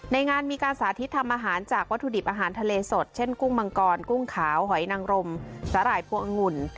งานมีการสาธิตทำอาหารจากวัตถุดิบอาหารทะเลสดเช่นกุ้งมังกรกุ้งขาวหอยนังรมสาหร่ายพวงองุ่น